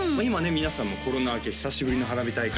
皆さんもコロナ明け久しぶりの花火大会